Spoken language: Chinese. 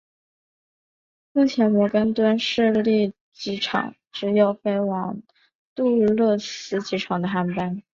目前摩根敦市立机场只有飞往杜勒斯机场的航班。